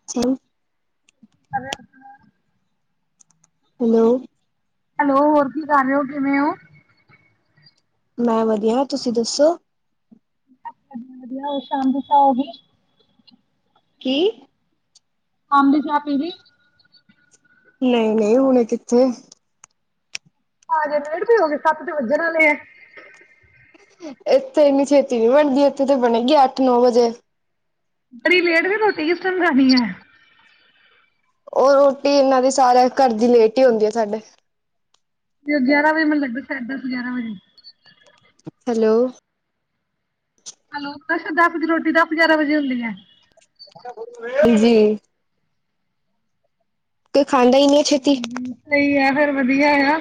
[unintelligible] [unintelligible] Hello. Hello, ਹੋਰ ਕੀ ਕਰ ਰਹੇ ਹੋ ਕਿਵੇਂ ਹੋ? ਮੈਂ ਵਧੀਆ। ਤੁਸੀਂ ਦੱਸੋ। ਵਧੀਆ ਉਹ ਸ਼ਾਮ ਦੀ ਚਾਅ ਹੋਗੀ? ਕੀ? ਆਦੇ ਜਾ [inaudible] ਨਈਂ ਨਈਂ, ਹੁਣੇ ਕਿੱਥੇ? ਆਜ ਲੇਟ ਪਿਉਗੇ, ਸੱਤ ਦੇ ਵੱਜਣ ਵਾਲੇ ਐ। ਇੱਥੇ ਇੰਨੀ ਛੇਤੀ ਨੀਂ ਬਣਦੀ, ਇੱਥੇ ਤੇ ਬਣੇਗੀ ਅੱਠ ਨੌਂ ਵਜੇ। ਬੜੀ ਲੇਟ ਵੀ ਰੋਟੀ ਕਿਸ ਟਮ ਖਾਣੀ ਐ। ਉਹ ਰੋਟੀ ਇਹਨਾਂ ਦੀ ਸਾਰਿਆਂ ਘਰ ਦੀ ਲੇਟ ਹੀ ਹੁੰਦੀ ਆ ਸਾਡੇ। ਤੇ ਉਹ ਗਿਆਰਾਂ ਵਜੇ ਮੈਨੂੰ ਲੱਗਦਾ ਸਾਢੇ ਦਸ ਗਿਆਰਾਂ ਵਜੇ। ਹੈਲੋ ਹੈਲੋ [inaudible] ਰੋਟੀ ਦੱਸ ਪੰਜ ਗਿਆਰਾਂ ਵਜੇ ਹੁੰਦੀ ਐ। ਜੀ ਖਾਂਦਾ ਈ ਨ੍ਹੀਂ ਏ ਛੇਤੀ ਸਹੀ ਐ ਫਿਰ ਵਧੀਆ ਆ।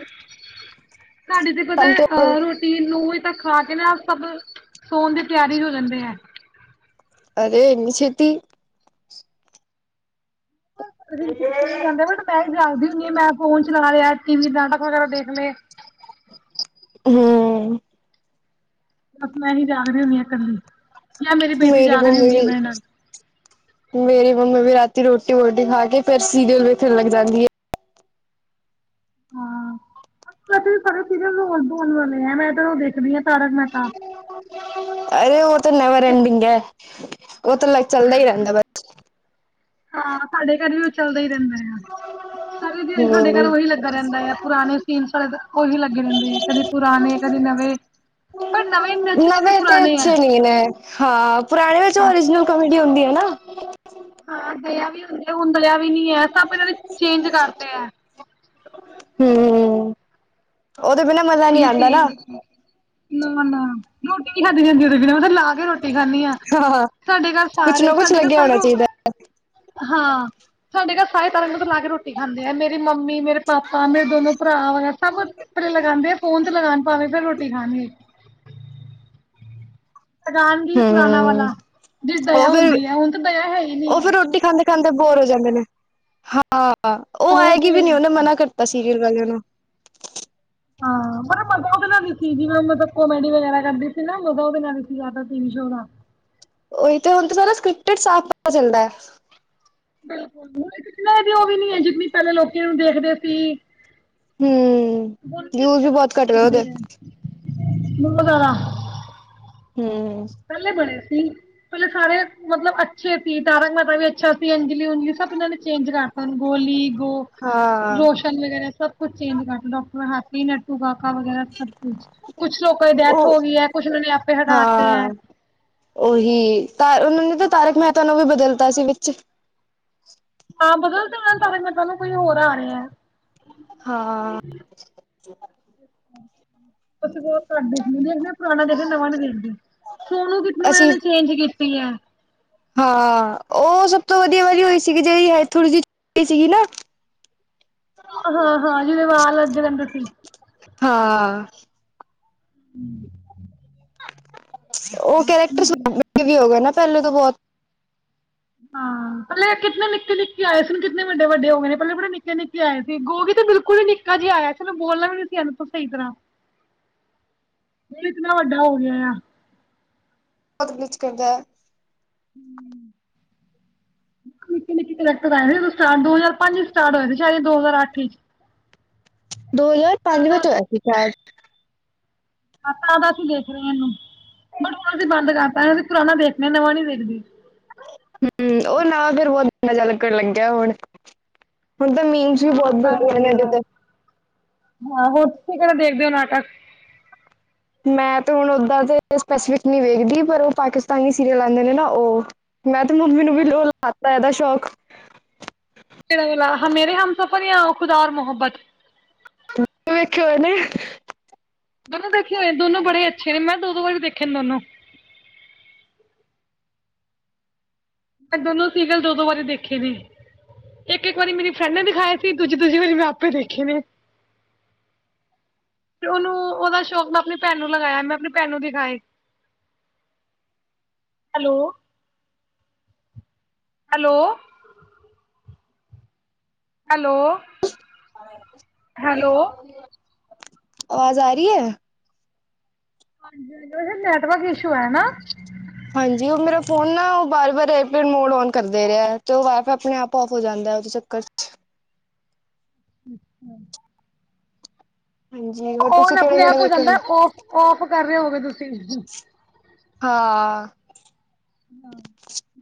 ਸਾਡੀ ਤੇ ਪਤਾ ਟਾਈਮ ਟੇਬਲ ਅ ਰੋਟੀ ਨੋਹ ਵਜੇ ਤੱਕ ਖਾ ਕੇ ਨਾਂ ਸਭ, ਸੋਣ ਦੀ ਤਿਆਰੀ ਹੋ ਜਾਂਦੇ ਐ। ਅਰੇ ਇੰਨੀ ਛੇਤੀ ਜਾਂ ਬਟ [inaudible] ਮੈਂ ਜਾਗਦੀ ਹੁੰਦੀ ਮੈਂ ਫੋਨ ਚਲਾ ਲਿਆ, ਟੀ ਵੀ, ਨਾਟਕ ਵਗੈਰਾ ਦੇਖ ਲੇ। ਹਮ ਬਸ ਮੈਂ ਹੀ ਜਾਗ ਰਹੀ ਹੁੰਦੀ ਆਂ ਕੱਲੀ ਜਾਂ ਮੇਰੀ ਬੇਟੀ ਜਾਗ ਰਹੀ ਮੰਮੀ ਹੁੰਦੀ ਆ ਵੀ ਮੇਰੇ ਨਾਲ ਮੇਰੀ ਮੰਮੀ ਵੀ ਰਾਤੀ ਰੋਟੀ-ਵੋਟੀ ਖਾ ਕੇ ਫੇਰ ਸੀਰੀਅਲ ਵੇਖਣ ਲੱਗ ਜਾਂਦੀ ਏ ਹਾਂ ਵੇਸੇ ਵੀ ਸਾੜੇ ਸੀਰਿਅਲ ਰੋਣ-ਧੋਣ ਵਾਲੇ ਆ, ਮੈਂ ਤਾਂ ਉਹ ਦੇਖਦੀ ਆਂ ਤਾਰਕ ਮਹਿਤਾ ਅਰੇ ਉਹ ਤਾਂ ਨੈਵਰ ਐਂਡਿੰਗ ਐ, ਉਹ ਤਾਂ ਚੱਲਦਾ ਹੀ ਰਹਿੰਦਾ ਬ ਹਾਂ, ਸਾਡੇ ਘਰ ਵੀ ਉਹ ਚੱਲਦਾ ਹੀ ਰਹਿੰਦਾ ਆ। ਸਾਰੇ ਦਿਆੜੀ ਸਾਡੇ ਘਰ ਹੂੰ ਉਹੀ ਲੱਗਾ ਰਹਿੰਦਾ ਆ, ਪੁਰਾਣੇ ਸੀਨ ਸਾਡੇ ਉਹੀ ਲੱਗੇ ਰਹਿੰਦੇ ਆ ਕਦੇ ਪੁਰਾਣੇ ਕਦੇ ਨਵੇਂ ਪਰ ਨਵੇਂ ਇੰਨੇ ਅੱਛੇ ਜਿੰਨੇ ਨਵੇਂ ਤੇ ਪੁਰਾਣੇ ਆ ਅੱਛੇ ਨੀਂ ਨੇਂ ਹਾਂ, ਪੁਰਾਣੇ ਵਿੱਚ ਓਰੀਜਨਲ ਕੋਮੇਡੀ ਹੁੰਦੀ ਐ ਨਾਂ। ਹਾਂ ਦਇਆ ਵੀ ਹੁੰਣ ਹੁੰਦਲਿਆ ਵੀ ਨੀੱ ਐ, ਸਭ ਇਹਨਾਂ ਦੇ ਚੇਂਜ ਕਰਤੇ ਐ। ਹਂ, ਉਹਦੇ ਬਿਨਾਂ ਮਜ਼ਾ ਨ੍ਹੀਂ ਆਉਂਦਾ ਨਾਂ ਨਾਂ, ਨਾਂ ਰੋਟੀ ਨ੍ਹੀਂ ਖਾਂਦੀ ਜਾਂਦੀ ੳਹਦੇ ਬਿਨਾਂ, ਮੈਂ ਤੇ ਲਾ ਕੇ ਰੋਟੀ ਖਾਂਣੀ ਆਂ। ਹਾਂ ਸਾਡੇ ਘਰ ਕੁਛ ਸਾਰੇ ਨਾ ਕੁਛ ਸਾਡੇ ਘਰ ਲੱਗਿਆ ਸਾਰੇ ਹੋਣਾ ਚਾਹੀਦਾ [unintelligible] ਹਾਂ, ਸਾਡੇ ਘਰ ਸਾਰੇ ਤਾਰਕ ਮਹਿਤਾ ਲਾ ਕੇ ਰੋਟੀ ਖਾਂਦੇ ਐ, ਮੇਰੀ ਮੰਮੀ ਮੇ ਮੇਰੇ ਪਾਪਾ, ਮੇਰੇ ਦੋਨੋ ਭਰਾ, ਵਗੇਰਾ ਸਭ ਸਾਰੇ ਪਹਿਲਾਂ ਲਗਾਂਦੇ ਆ ਫੋਨ ਤੇ ਲਗਾਉਣ ਪਾਵੇਂ। ਫਿਰ ਰੋਟੀ ਖਾਣੀ। ਰਾਨਗੀ ਪੁਰਾਣਾ ਹਮ ਵਾਲਾ ਜਿਦੇ ਚ ਉਹ ਦਇਆ ਫਿਰ ਹੁੰਦੀ ਐ, ਹੁਣ ਤਾਂ ਦਇਆ ਹੈ ਈ ਨਹੀਂ ਉਹ ਐ। ਫਿਰ ਰੋਟੀ ਖਾਂਦੇ ਖਾਂਦੇ ਬੋਰ ਹੋ ਜਾਂਦੇ ਨੇਂ, ਹਾਂ ਉਹ ਆਏਗੀ ਤੇ ਵੀ ਨੀਂ ਉਹਨੇ ਹੈ। ਮਨਾ ਕਰਤਾ ਸੀਰੀਅਲ ਵਾਲਿਆਂ ਨੂੰ। ਹਾਂ, ਪਰ ਮਲ ਪਤਾ ਉਹਦੇ ਨਾਲ ਦਿਖੀ ਜਿਵੇੈਂ ਮਤਲਬ ਉਹ ਮੈਡੀ ਵਗੈਰਾ ਕਰਦੀ ਸੀ ਨਾਂ ਮਜਾ ਉਹਦੇ ਨਾਲ ਈ ਸੀ ਟੀ ਵੀ ਸ਼ੋ ਦਾ। ਉਹੀ ਤੇ ਹੁਣਾ ਸਕ੍ਰਿਕਟਟ ਸਾਫ਼ ਪਤਾ ਚਲਦਾ ਐ। ਬਿਲਕੁਲ ਵੀ ਉਹ ਵੀ ਨੀ ਹੈ ਜਿਨੀ ਪਹਿਲਾਂ ਲੋਕੀ ਨੂੰ ਦੇਖਦੇ ਸੀ। ਹਮ ਵਿਊਜ ਵੀ ਬਹੁਤ ਘੱਟ ਰਿ ਉਹਦੇ ਦ ਕਰਦਾ। ਹਮ- ਪਹਿਲੇ ਬਣੇ ਸੀ ਪਹਿਲੇ ਸਾਰੇ ਮਤਲਬ ਅੱਛੇ ਸੀ ਤਾਰਕ ਮੇਹਤਾ ਵੀ ਅੱਛਾ ਸੀ ਅੰਜਲੀ ਉੰਜਲੀ ਸਭ ਇਹਨਾਂ ਨੇ ਚੇਂਜ ਕਰਤਾ! ਅ ਗੋਲੀ ਗੋ- ਹਾਂ- ਰੋਸ਼ਨ ਵਗੈਰਾ ਸਭ ਕੁਛ ਚੇਜ ਕਰ ਡਾਟਰ ਹ ਨੱਟੂ ਕਾਕਾ ਵਗੈਰਾ ਸਭ ਕੁਛ ਕੁਛ ਲੋਕਾਂ ਦੀ ਡੈਥ ਉਹ ਹੋ ਗਈ ਹੈ ਕੁਛ ਉਹਨਾਂ ਨੇ ਆਪੇ ਹਟਾ ਹਾਂ ਉਹੀ ਤ ਉਹਨਾਂ ਨੇ ਤਾਂ ਤਾਰਕ ਮਹਿਤਾ ਨੂੰ ਵੀ ਬਦਲਤਾ ਸੀ ਵਿੱਚ ਹਾਂ ਬਦਲਦੇਡੇ ਮਤਲ ਕੋਈ ਹੋਰ ਆ ਰਿਹਾ ਹੈ ਹਾਂ ਅਸੀਂ ਬਹੁਤ ਘੱਟ ਦੇਖਦੇ -ਦੇਖਦੇ ਪੁਰਾਣਾ ਜਿਹੜਾ ਨਵ ਨ ਦੇਖਦੇ ਸੋਨੂੰ ਕਿ ਮੈਂ ਇਹ ਅਸੀਂ ਨੇ ਚੇਂਜ- ਪ ਹੈ- ਹਾਂ ਉਹ ਸਭ ਤੋਂ ਵਧੀਆ ਵਾਰੀ ਹੋਈ ਸੀਗੀ ਜਿਹੜੀ ਹੈ ਥੋੜ੍ਹੀ ਜਿਹੀ ਸੀਗੀ ਨਾ ਹਾਂ -ਹਾਂ ਜਿਹਦੇ ਵਾਲ ਅਗੇ ਰਹਿੰਦੇ ਸੀ। ਹਾਂ- ਹਮ ਉਹ ਕਰੈਕਟਰ ਵੀ ਹੋ ਗ ਨਾ ਪਹਿਲੇ ਤੋਂ ਬਹੁਤ। ਹਾਂ ਪਹਿਲੇ ਕਿਨੇ ਨਿੱਕੇ- ਨਿੱਕੇ ਆਏ ਸੀਨ ਕਿੰਨੇ ਵੱਡੇ -ਵੱਡੇ ਹੋ ਗਏ ਨੇ ਪਹਿਲੇ ਬੜੇ ਨਿੱਕੇ ਨਿੱਕੇ ਆਏ ਸੀ ਗੋਗੀ ਤੇ ਬਿਲਕੁਲ ਹੀ ਨਿੱਕੇ। ਜੀ ਆਇਆ ਸੀ ਉਹਨੂੰ ਬੋਲਣਾ ਵੀ ਨ ਸੀ ਇਹਨੂੰ ਤ ਸਹੀ ਤਰ੍ਹਾਂ। ਇਹ ਇਤਨਾ ਵੱਡਾ ਹੋ ਗਿਆ ਆ। ਬਹੁਤ ਕੁਛ ਕਰਦਾ ਹੈ। ਹਮ। ਨ ਨਿੱ ਕਰੈਕਟਰ ਆਏ ਸ ਦੋ ਹਜ਼ਾਰ ਪੰਜ ਚ ਸਟਾਰਟ ਹੋਏ ਸੀਦ ਦੋ ਹਜ਼ਾਰੱਠ ਚ। ਦੋ ਹਜ਼ਾਰ ਪੰਜ ਵਿੱਚ ਹੋਇਆ ਸੀ ਸ਼ਾਇਦ। ਤਾਂ -ਤਾਂ ਅਸੀਂ ਦੇਖ ਰਹੇ ਹਾਂ ਇਹਨੂੰ ਬਟ ਹੁਣ ਅਸੀਂ ਬੰਦ ਕਰਤਾ ਅਸੀਂ ਪੁਰਾਣਾ ਦੇਖਣੇ ਨਵਾਂ ਨੀ ਦੇਖਦੇ। ਹਮ ਉਹ ਨਾ ਫੇਰ ਬਹੁਤੰਨਾ ਜ ਲੱਗਣ ਲੱਗਿਆ ਹੁਣ- ਹੁਣ ਤਾਂ ਮੀਨਸ ਵੀ ਹਾਂ ਉਹ ਬਹੁਤ ਤਾਂ ਹੈ ਵਧੀਆ ਨੇ ਹੀ ਇਹਡੇ ਹੈ ਤੇ- ਹਾਂ ਹੋਰ ਤੁਸੀਂ ਕਿਹੜਾ ਦੇਖਦੇ ਹੋ ਨਾਟਕ। ਮੈਂ ਤੇ ਹੁਣ ਉਦਾਂ ਦੇ ਸਪੈਸੀਫਿਕ ਨਹੀਂ ਵੇਖਦੀ ਪਰ ਉਹ ਪਾਕਿਸਤਾਨੀ ਸੀਰੀਅਲ ਆਉਂਦੇ ਨੇ ਨਾ ਉਹ। ਮੈਂ ਤੇ ਮੰਮੀ ਨੂੰ ਵੀ ਲਾਤਾ ਇਹਦਾ ਸ਼ੌਕ। ਮੇਰੇ ਹਮ ਸਫ਼ਰ ਖੁਦਾ ਔ ਮੁਹੱਬਤ। ਵੇਖਿਓ ਨੇੇ। ਦੋਨੋ ਦੇਖੇ ਹੋਏ ਦੋ ਬੜੇ ਅੱਛੇ ਨੇ ਮੈਂ ਦੋ- ਦੋ ਵਾਰੀ ਦੇਖੇ ਦੋਨੋ। ਮੈਂ ਦੋਨੋ ਸੀਗਲ ਦੋ -ਦੋ ਵਾਰੀ ਦੇਖੇ ਨੇ। ਇੱਕ -ਇੱਕ ਵਾਰੀ ਮੇਰੀ ਫਰੈਂਡ ਨੇ ਦਿਖਾਇਆ ਸੀ ਦੂਜੀ- ਦੂਜੀ ਵਾਰੀ ਮੈਂ ਆਪੇ ਦੇਖੇ ਨੇ। ਤੇ ਉਹਨੂੰ ਉਹਦਾ ਕ ਮੈਂ ਆਪਣੀ ਭੈਣ ਨੂੰ ਲਗਾਇਆ ਮੈਂ ਆਪਣੀ ਭੈਣ ਨੂੰ ਦਿਖਾਏ। ਹੈਲੋ। ਹੈਲੋ। ਹੈਲੋ। ਹੈਲੋ। ਆਵਾਜ਼ ਆ ਰਹੀ ਹੈ। ਹਾਂਜੀ ਹਾਂ ਨੈਟਵਰਕ ਇਸ਼ੂ ਹੈ ਨਾ। ਹਾਂਜੀ ਉਹ ਮੇਰਾ ਫੋਨ ਨਾ ਉਹ ਬਾਰ ਬਾਰ ਏਪੇਡ ਮੋਡ ਔਨ ਕਰਦੇ ਰਿਹਾ ਅਤੇ ਉਹ ਵਾਇਫਾਈ ਆਪਣੇ ਆਪ ਔਫ ਹੋ ਜਾਂਦਾ ਹੈ ਉਹਦੇੋਂ ਚ। ਕਛ। ਅੱਛਾ। ਹਾਂਜੀ ਹੋਰ ਤੁਸੀਂ ਔਨ ਆਪਣੇ ਕਿਹੜੇ-ਕਿਹੜੇ ਆਪ ਹੋ ਵੇਖੇ ਨੇ? ਜਾਂਦਾ ਫ ਔਫ ਕਰ ਰਹੇ ਹੋਵੇ ਤੁਸੀਂ। ਹਾਂ। ਹਾਂ।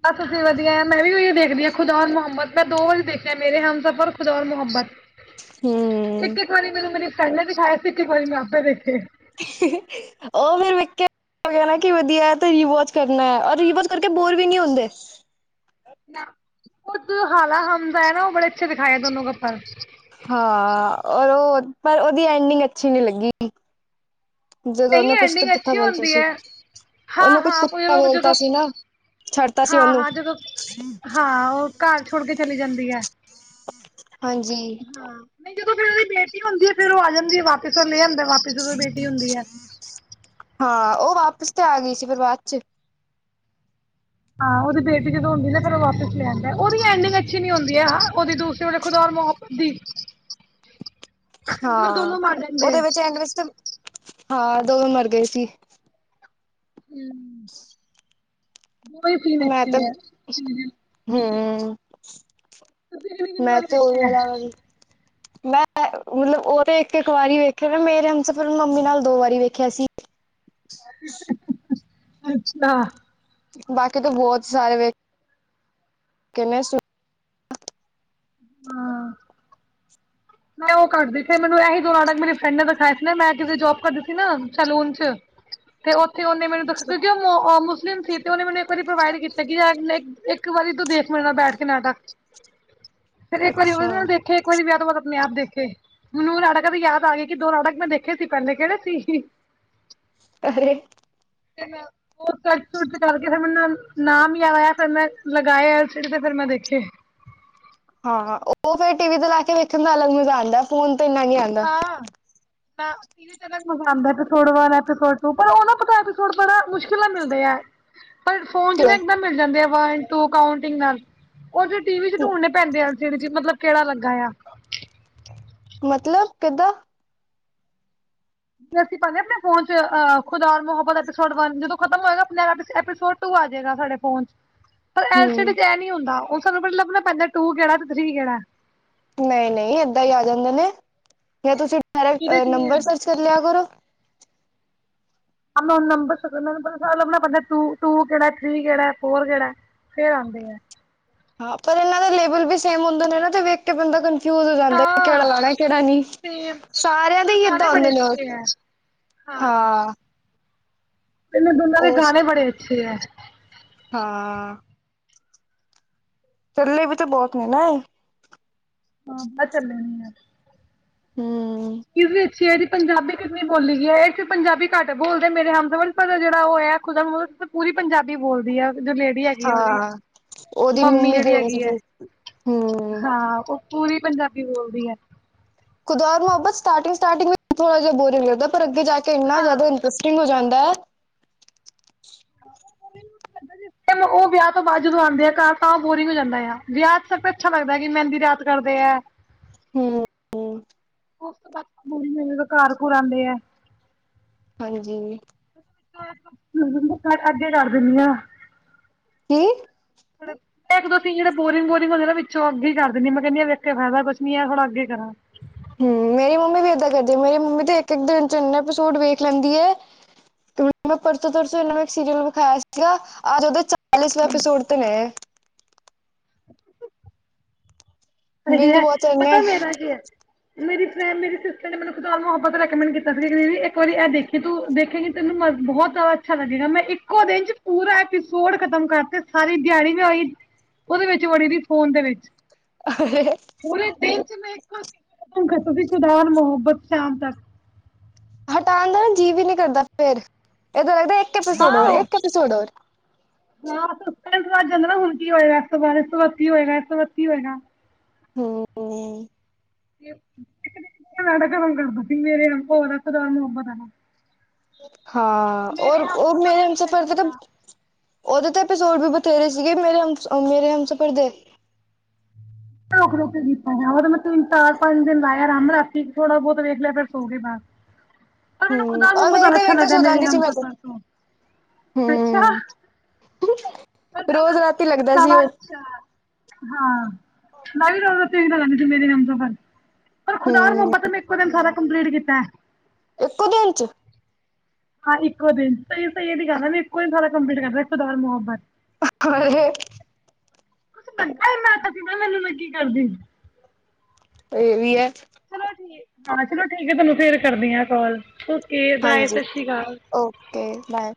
ਬਸ ਅਸੀਂ ਵਧੀਆ ਮੈਂ ਵੀ ਉਹੀ ਦੇਖਦੀ ਹਾਂ ਖੁਦਾ ਔ ਮੁਹਮਦ ਮੈਂ ਦੋ ਵਾਰੀ ਦੇਖਿਆ ਮੇਰੇ ਹਮ ਸਫ਼ਰ ਖੁਦਾ ਔ ਮੁਹੰਮਦ। [unintelligible] ਹਂ। ਇੱਕ-ਇੱਕ ਵਾਰੀ ਮੈਨੂੰ ਮੇਰੀ ਫਰੈਂਡ ਨੇ ਦਿਖਾਏ ਸੀ, ਇੱਕ-ਇੱਕ ਵਾਰੀ ਮੈਂ ਆਪੇ ਦੇਖੇ। [unintelligible] ਉਹ ਫੇਰ ਵੇਖਿਆ। ਕਹਿਣਾ ਕੀ ਵਧੀਆ ਐ ਤੇ ਰਿਵੋਚ ਕਰਨਾ ਐ, ਔਰ ਰਿਵੋਚ ਕਰਕੇ ਬੋਰ ਵੀ ਨਹੀਂ ਹੁੰਦੇ। ਉਹ ਹਾਲਾ ਹਮਦਾ ਐ ਨਾਂ, ਉਹ ਬੜੇ ਅੱਛੇ ਦਿਖਾਏ ਦੋਨੋਂ ਕੱਪਲ ਹਾਂ, ਔਰ ਉਹ ਪਰ ਉਹਦੀ ਐਂਡਿੰਗ ਅੱਛੀ ਨੀਂ ਲੱਗੀ। ਜਦੋਂ ਉਹਨੇ ਕੁਛ ਤਾਂ ਪੁੱਠਾ ਬੋਲਤਾ ਸੀ। ਉਹਨੂੰ ਕੁਛ ਪੁੱਟਾ ਜਦੋਂ ਬੋਲਤਾ ਜਦੋਂ ਸੀ ਨਾਂ ਛੱਡਤਾ ਸੀ ਹਾਂ ਓਨੂੰ। ਹਾਂ ਜਦੋਂ ਹਾਂ ਉਹ ਘਰ ਛੋੜ ਕੇ ਚਲੀ ਜਾਂਦੀ ਐ। ਹਾਂਜੀ। ਹਾਂ, ਨ੍ਹੀਂ ਜਦੋਂ ਫੇਰ ਉਹਦੀ ਬੇਟੀ ਹੁੰਦੀ ਐ, ਫੇਰ ਉਹ ਆ ਜਾਂਦੀ ਐ ਵਾਪਿਸ ਉਹ ਲੈ ਆਂਦਾ ਵਾਪਿਸ ਜਦੋਂ ਬੇਟੀ ਹੁੰਦੀ ਐ। ਹਾਂ ਉਹ ਵਾਪਿਸ ਤੇ ਆ ਗਈ ਸੀ ਫਿਰ ਬਾਅਦ ਚ। ਹਾਂ, ਉਹਦੀ ਬੇਟੀ ਜਦੋਂ ਹੁੰਦੀ ਨਾਂ ਫਿਰ ਉਹ ਵਾਪਿਸ ਲੈ ਆਂਦਾ। ਉਹਦੀ ਐਡਿੰਗ ਅੱਛੀ ਨੀਂ ਹੁੰਦੀ ਏ ਉਹਦੀ ਦੂਸਰੇ ਵਾਲੇ ਖੁਦਾ ਮੁਹੰਮਦ ਦੀ। [unintelligible] ਹਾਂ, ਦੋਨੋਂ ਮਰ ਜਾਂਦੇ ਹੈ ਉਹਦੇ ਵਿੱਚ ਐਂਡ ਵਿੱਚ ਹਾਂ, ਦੋਵੇਂ ਮਰ ਗਏ ਸੀ। ਹਂ। [unintelligible] ਸੀਨ ਮੈਂ ਤੇ, ਅੱਛੇ ਹੈ ਸੀਰੀਅਲ ਹਂ ਤੁਸੀਂ ਕਿੰਨੀ ਕਿੰਨੀ ਮੈਂ ਵਾਰੀ ਤੇ ਦੇਖੇ ਹੈ [unintelligible] [inaudible] ਮੈਂ ਮਤਲਬ ਉਹ ਤੇ ਇੱਕ-ਇੱਕ ਵਾਰੀ ਵੇਖਿਆ ਨਾਂ ਮੇਰੇ ਹਮਸ ਫਿਰ ਮੰਮੀ ਨਾਲ ਦੋ ਵਾਰੀ ਵੇਖਿਆ ਸੀ। [unintelligible] ਅੱਛਾ। ਬਾਕੀ ਤਾਂ ਬਹੁਤ ਸਾਰੇ ਵੇਖੇ ਨੇਂ [unintelligible] ਹਾਂ ਮੈਂ ਉਹ ਕਰਦੀ ਸੀ ਮੈਨੂੰ ਇਹੀ ਦੋ ਨਾਟਕ ਮੇਰੀ ਫਰੈਂਡ ਨੇਂ ਦਿਖਾਏ ਸੀ ਨਾਂ ਮੈਂ ਕਿਸੇ ਜੋਬ ਕਰਦੀ ਸੀ ਨਾਂ ਸਲੂਨ ਚ ਤੇ ਉੱਥੇ ਉਹਨੇ ਮੈਨੂੰ ਦੱਸਿਆ ਕਿਉਂਕਿ ਉਹ ਮੁਸਲਿਮ ਸੀ, ਤੇ ਉਹਨੇ ਮੈਨੂੰ ਇੱਕ ਵਾਰੀ ਪ੍ਰੋਵਾਈਡ ਕੀਤਾ ਕਿ [unintelligible] ਇੱਕ ਵਾਰੀ ਤੋਂ ਦੇਖ ਮੇਰੇ ਨਾਲ ਬੈਠ ਕੇ ਨਾਟਕ ਤੇ ਫੇਰ ਇੱਕ ਵਾਰੀ ਉਹਦੇ ਅੱਛਾ ਨਾਲ ਦੇਖੇ, ਇੱਕ ਵਾਰੀ ਵਿਆਹ ਤੋਂ ਬਾਅ ਆਪਣੇ ਆਪ ਦੇਖੇ। ਮਨੂੰ ਨਾਟਕਾਂ ਦੀ ਯਾਦ ਆ ਗਏ ਕਿ ਦੋ ਨਾਟਕ ਮੈਂ ਦੇਖੇ ਸੀ, ਪਹਿਲੇ ਕਿਹੜੇ ਸੀ? [inaudible] ਅਰੇ ਤੇ ਮੈਂ ਉਹ ਕਟੱ ਕੁਟ ਕਰਕੇ, ਫਿਰ ਮੈਨੂੰ ਨਾਮ ਯਾਦ ਆਇਆ। ਫਿਰ ਮੈਂ ਲਗਾਏ ਏਲ ਸੀ ਡੀ ਤੇ ਫਿਰ ਮੈਂ ਦੇਖੇ। ਹਾਂ, ਹਾਂ, ਉਹ ਫੇਰ ਟੀ ਵੀ ਤੇ ਲੈ ਕੇ ਵੇਖਣ ਦਾਲੱਗ ਮਜ਼ਾ ਆਂਦਾ। ਫੋਨ ਤੇ ਇੰਨਾ ਨੀਂ ਆਂਦ ਹਾਂ, ਨਾ [unintelligible] ਮਜ਼ਾ ਆਂਦਾ ਏਪੀਸੋਡ ਵਨ, ਏਪੀਸੋਡ ਟੂ ਪਰ ਉਹ ਨਾ ਪਤਾ ਮੁਸ਼ਕਿਲ ਨਾਲ ਮਿਲਦੇ ਐ। ਪਰ ਫੋਨ ਚ ਨਾਂ ਇੱਕਦਮ ਮਿਲ ਜਾਂਦੇ ਆ, ਵਨ ਟੂ ਕਉਂਟਿੰਗ ਨਾਲ। ਉਹ ਜ ਟੀ ਵੀ ਚ ਢੂੰਡਨੇ ਪੈਂਦੇ ਅ ਏਲ ਸੀ ਡੀ ਚ ਮਤਲਬ ਕਿਹੜਾ ਲੱਗਾ ਆ। ਮਤਲਬ! ਕਿੱਦਾਂ? ਤੇ ਅਸੀਂ ਪਾਦੇ ਆਪਣੇ ਫੋਨ ਚ ਅਹ ਖੁਦਾ ਮੁਹੱਬਤ ਐਪੀਸੋਡ ਵਨ ਜਦੋਂ ਖਤਮ ਹੋਏਗਾ ਆਪਪੀੋਡ ਟੂ ਆਜੇਗਾ ਸਾਡੇ ਫੋਨ ਚ ਪਰ ਐਲ ਸੀ ਹਮ ਡੀ ਚ ਇਹ ਨੀਂ ਹੁੰਦਾ ਉਹ ਸਾਨੂੰ ਪਤਾ ਲੱਭਣਾ ਪੈਂਦਾ ਟੂ ਕਿਹੜਾ ਤੇ ਥਰੀ ਕਿਹੜਾ। ਨਈਂ, ਨਈਂ, ਏਦਾਂ ਈ ਆ ਜਾਂਦੇ ਨੇਂ ਜਾਂ ਤੁਸੀਂ ਡਾਇਰੈਕਟ ਕਿਦੇ 'ਚ ਨੀ ਐ। ਨੰਬਰ ਸਰਚ ਕਰ ਲਿਆ ਕਰੋ। ਅੰਨ ਨਾਉਣ ਨੰਬਰ [unintelligible] ਲੱਭਣਾ ਪੈਂਦਾ ਟੂ-ਟੂ ਕਿਹੜਾ, ਥਰੀ ਕਿਹੜਾ, ਫੋਰ ਕਿਹੜਾ ਫੇਰ ਆਂਦੇ ਆ। ਹਾਂ, ਪਰ ਇਹਨਾਂ ਦਾ ਲੇਵਲ ਵੀ ਸੇਮ ਹੁੰਦਾ ਨਾਂ, ਤੇ ਵੇਖ ਕੇ ਬੰਦਾ ਫਿਊਜ ਹੋ ਜਾਂਦਾ, ਕਿਹੜਾ ਹਾਂ ਲਾਣਾ ਕਿਹੜਾ ਨਹੀਂ, ਸਾਰਿਆਂ ਦੇ ਹੀ ਏਦਾਂ ਆਉਦੇ ਨੇਂ ਉਹ। ਹਾਂ। ਇਹਨਾਂ ਦੋਨਾਂ ਦੇ ਉਸ ਗਾਣੇ ਬੜੇ ਅੱਛੇ ਐ। ਹਾਂ। ਚੱਲੇ ਵੀ ਤੇ ਬੌਤ ਨੇ ਨਾ ਆ। ਹਾਂ, [unintelligible] ਹੂੰ। ਚੀਜ਼ ਵੀ ਅੱਛੀ ਐ ਏਦੀ ਪੰਜਾਬੀ ਕਿੰਨੀ ਬੋਲੀ ਗੀ ਆ ਏਚ ਪੰਜਾਬੀ ਘਟ ਬੋਲਦੇ ਮੇਰੇ ਹਮਸਫਰ ਪਤਾ ਜੇੜਾ ਓਹੈ ਖੁਦਾ ਨੂੰ ਮਤਲਬ ਤਾਂ ਪੂਰੀ ਪੰਜਾਬੀ ਬੋਲਦੀ ਐ। ਜੋ ਲੇਡੀ ਹੈਗੀ ਆ ਓਦੀ, ਹਾਂ ਉਹਦੀ ਮੰਮੀ ਜੇੜੀ ਜਿਹੜੀ ਹੈਗੀ ਆ ਸੀਗੀ ਹੂੰ ਹਾਂ ਐ। ਪੂਰੀ ਪੰਜਾਬੀ ਬੋਲਦੀ ਐ। ਖੁਦਮਾ ਸਾਟਿੰਗ-ਸਾਟਿੰਗ ਵ ਥੋੜਾ ਜਾ ਬੋਰਿੰਗ ਲਗਦੈ ਪਰ ਅੱਗੇ ਜਾ ਕੇ ਤੇ ਐਨਾ ਹਾਂ ਜਾਦਾ ਇੰਟਰਸਟਿੰਗ ਹੋ ਜਾਂਦਾ ਐ। [unintelligible] ਓ ਵੇਆ ਤੋਂ ਬਾਦ ਜਦੋਂ ਆਦੇ ਆ ਘਰ ਤਾਂ ਓ ਬੋਰਿੰਗ ਹੋ ਜਾਂਦਾ ਆ ਵੇਆ ਸਭ ਚ ਅੱਛਾ ਲੱਗਦਾ ਕੀ ਮੈਂਦੀ ਰਾਤ ਕਰਦੇ ਆ। ਹੂੰ-ਹੂੰ। [unintelligible] ਘਰ ਘੁਰ ਆਦੇ ਆ। ਹਾਂਜੀ। ਅੱਗੇ ਕਰ ਦੇਨੀ ਆਂ। ਕੀ? [unintelligible] ਇੱਕ ਦੋ ਸੀਨ ਜੇੜੇ ਬੋਰਿੰਗ ਹੁੰਦੇ ਨਾ ਵਿੱਚੋਂ ਅੱਗੇ ਕਰ ਦੇਨੀ ਆ ਮੈਂ ਕੈਂਨੀ ਵੇਖ ਫਾਇਦਾ ਕੁਛ ਨੀ ਥੋੜਾ ਅੱਗੇ ਕਰਾਂ। ਹੂੰ ਮੇਰੀ ਮੰਮੀ ਵੀ ਏਦਾਂ ਕਰਦੀ ਮੇਰੀ ਮੰਮੀ ਤੇ ਇੱਕ-ਇੱਕ ਦਿਨ ਚ ਏਨੇ ਕ ਸੋਡ ਵੇਖ ਲੈਂਦੀ ਏ ਮੈਂ ਪਰਸੋਂ ਤਰਸੋਂ ਏਨਾਂ ਨੂੰ ਸੀਰੀਅਲ ਵਿਖਾਇਆ ਸੀਗਾ, ਅੱਜ ਓਦੇ ਚਾਲੀਸਵੈ ਐਪੀਸੋਡ ਤੇ ਨੇ। ਸਈ ਬਿੰਜ ਐ, ਬਹੁਤ ਚੰਨੇ ਪਤਾ ਮੇਰਾ ਕੀ ਐ? ਮੇਰੀ [unintelligible] ਮੇਰੀ ਸਿਸਟਰ ਨੇ ਮੈਨੂੰ ਖ਼ੁਦਾ ਮਹੋਬਤ ਰੈਕਮੈਂਡ ਕੀਤਾ ਸੀ, ਦੀਦੀ ਇੱਕ ਵਾਰੀ ਐ ਦੇਖੀ ਤੂੰ, ਦੇਖੇਗੀ ਤੈਨੂੰ ਮਰ ਬਹੋਤ ਜਾਦਾ ਅੱਛਾ ਲੱਗੇਗਾ ਮੈਂ ਇੱਕੋ ਦਿਨ ਚ ਪੂਰਾ ਐਪੀਸੋਡ ਖਤਮ ਕਰਤੇ ਸਾਰੀ ਦੇਆੜੀ ਮੈਂ ਓਹੀ ਓਦੇ ਵਿੱਚ ਵੜੀ ਰਈ ਫੋਨ ਦੇ ਵਿੱਚ। [inaudible] ਪੂਰੇ ਦਿਨ ਚ ਮੈਂ ਇਕੋ, [unintelligible] ਸੁਧਾਰ ਮੁਹੱਬਤ ਸ਼ਾਮ ਤੱਕ। ਹਟਾਣ ਦਾ ਨਾ ਜੀ ਵੀ ਨੀ ਕਰਦਾ ਫੇਰ, ਏਦਾਂ ਲੱਗਦਾ ਏਕ ਅਪੇਸੋਡ ਹੋਰ ਹਾਂ ਏਕ ਅਪੇਸੋਡ ਹੋਰ। ਹਾਂ ਇੰਟਰਸਟ ਵੱਧ ਜਾਂਦਾ ਨਾ ਹੁਣ ਕੀ ਹੋਏਗਾ ਇਸ ਤੋਂ ਬਾਦ ਇਸ ਤੋਂ ਬਾਦ ਕੀ ਹੋਏਗਾ ਇਸ ਤੋਂ ਬਾਦ ਕੀ ਹੋਏਗਾ। ਹੂੰ। [unintelligible] ਹਾਂ, ਔਰ, ਮੇਰੇ ਉਹ ਹਮਸਫਰ ਮੇਰੇ ਤੇ ਹਮ ਨਹੀਂ ਮੈਂ ਸਫ਼ਰ ਦੇ ਤਾਂ ਕੀਤਾ ਓਦੇ ਤੇ ਐਪੀਸੋਡ ਵੀ ਬਥੇਰੇ ਸੀਗੇ, ਮੇਰੇ ਹਮ ਮੇਰੇ ਸਫ਼ਰ ਦੇ। ਰੁਕ-ਰੁਕ ਕੇ ਕੀਤਾ ਜਾ, ਤਾਂ ਮੈਂ ਤਿੰਨ-ਚਾਰ-ਪੰਜ ਦਿਨ ਲਾਏ ਆ ਆਰਾਮ ਨਾਲ ਰਾਤੀ ਥੋੜਾ ਬੌਤ ਵੇਖ ਲਿਆ ਫਿਰ ਸੋ ਗਏ ਬਾਰ। ਪਰ ਮੈਨੂੰ ਹਮ ਖੁਦਾ ਔਰ ਮਹੋਬਤ ਜਾਦਾ ਵੇਖਦੇ ਅੱਛਾ ਵੇਖਦੇ ਲੱਗਦੈ ਸੋ ਮੇਰੇ ਜਾਂਦੀ ਸੀ ਹਮ ਮੈਂ ਤੇ ਸਫ਼ਰ ਤੋਂ। ਅੱਛਾ। ਹਮ ਰੋਜ਼ ਰਾਤੀ ਲੱਗਦਾ ਸੀ ਉਹ [unintelligible] ਹਾਂ। ਮੈ ਵੀ ਰੋਜ਼-ਰੋਜ਼ ਤੇਰੀ ਤਰਾ ਲਾਂਦੀ ਸੀ ਮੇਰੇ ਹਮ ਸਫ਼ਰ, ਪਰ ਖੁਦਾਰ ਹਮ ਮੁਹੱਬਤ ਮੈ ਇੱਕੋ ਦਿਨ ਸਾਰਾ ਕੰਪਲੀਟ ਕੀਤਾ। ਇੱਕੋ ਦਿਨ ਚ? ਹਾਂ ਇੱਕੋ ਦਿਨ ਚ, ਸਈ ਸਈ ਦੀ ਗੱਲ ਆ, ਕੀ ਇੱਕੋ ਸਾਰਾ ਕਪਲੀਟ ਕਰਤਾ, ਖੁੱਦਾਰ ਮਹੋਬਤ। [unintelligible] [unintelligible] ਕੀ ਕਰਦੀ [unintelligible] ਚਲੋ ਠੀਕ, ਹਾਂ ਚਲੋ ਠੀਕ ਆ, ਤੁਹਾਨੂੰ ਫੇਰ ਕਰਦੀ ਆ ਕੌਲ, ਓਕੇ ਬਾਏ, ਹਾਂਜੀ ਸਛੀਕਾਲ। Okay, bye.